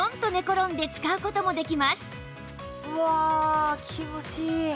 うわあ気持ちいい！